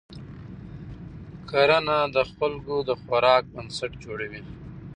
کرنه د خلکو د خوراک بنسټ جوړوي